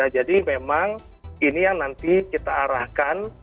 jadi memang ini yang nanti kita arahkan